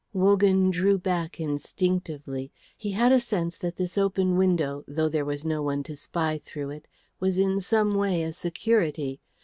Wogan drew back instinctively. He had a sense that this open window, though there was no one to spy through it, was in some way a security.